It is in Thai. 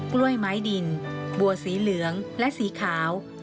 กล้วยไม้ดินบัวสีเหลืองและสีขาว